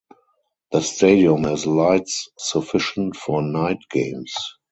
The stadium has lights sufficient for night games.